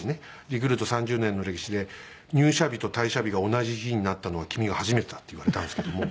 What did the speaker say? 「リクルート３０年の歴史で入社日と退社日が同じ日になったのは君が初めてだ」って言われたんですけども。